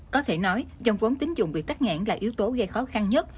có thể nói dòng vốn tính dụng bị tắt ngãn là yếu tố gây khó khăn nhất